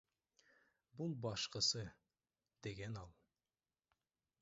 Бул башкысы, — деген ал.